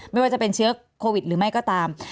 ไม่ว่าจะเป็นเชื้อโควิดหรือไม่ก็ตาม